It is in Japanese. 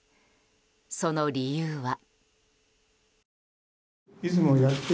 その理由は。